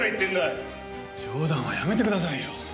冗談はやめてくださいよ。